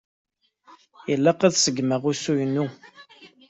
Ilaq ad seggmeɣ usi-nu.